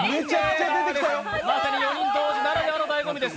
まさに４人同時ならではのだいご味です。